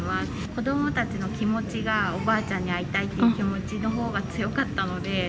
子どもたちの気持ちが、おばあちゃんに会いたいっていう気持ちのほうが強かったので。